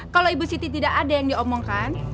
kalau ibu siti tidak ada yang diomongkan